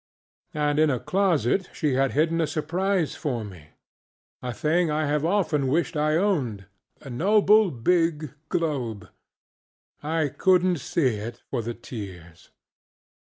And in a closet she had hidden a surprise for meŌĆöa thing I have often wished I owned: a noble big globe. I couldnŌĆÖt see it for the tears.